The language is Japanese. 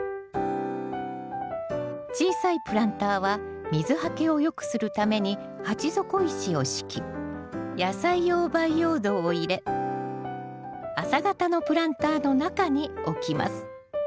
小さいプランターは水はけをよくするために鉢底石を敷き野菜用培養土を入れ浅型のプランターの中に置きます。